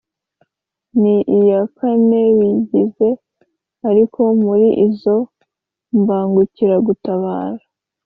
ni iya kane bigize ariko muri izo mbangukiragutabara.